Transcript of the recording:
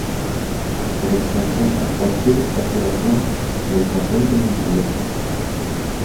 Por extensión, a cualquier exageración del papel del intelecto.